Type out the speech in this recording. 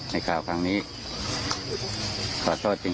ในข่าวครั้งนี้ขอโทษจริง